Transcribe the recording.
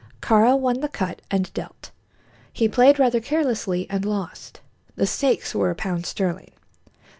Kāra won the cut and dealt. He played rather carelessly and lost. The stakes were a pound sterling.